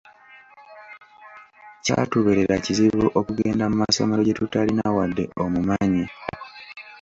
Kyatubeerara kizibu okugenda mu masomero gye tutaalina wadde omumanye.